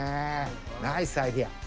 ナイスアイデア。